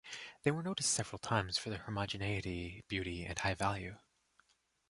They were noticed several times for their homogeneity, beauty, and high value.